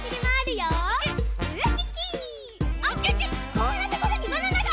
あっこんなところにバナナが！